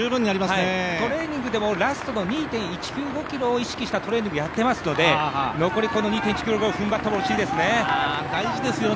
トレーニングでもラストの２．１９５ｋｍを意識した練習をしていますので残り２．１９５踏ん張ってほしいですね